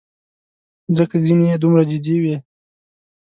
ځکه ځینې یې دومره جدي وې.